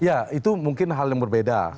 ya itu mungkin hal yang berbeda